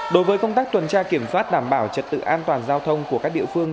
đối với công tác tuần tra kiểm soát đảm bảo trật tự an toàn giao thông của các địa phương